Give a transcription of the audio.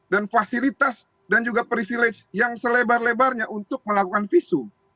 dan fasilitas dan juga privilege yang selebar lebarnya untuk melakukan visum